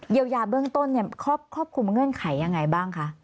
ยายาเบื้องต้นครอบคลุมเงื่อนไขยังไงบ้างคะ